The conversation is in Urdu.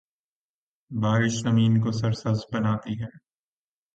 بارش زمین کو سرسبز بناتی ہے۔